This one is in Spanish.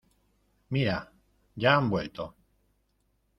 Mira, ya han vuelto.